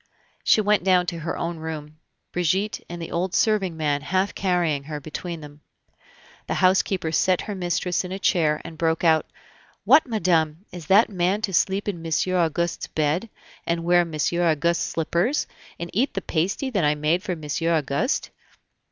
She went down to her own room, Brigitte and the old serving man half carrying her between them. The housekeeper set her mistress in a chair, and broke out: "What, madame! is that man to sleep in Monsieur Auguste's bed, and wear Monsieur Auguste's slippers, and eat the pasty that I made for Monsieur Auguste?